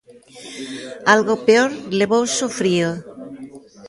Algo peor levouse o frío.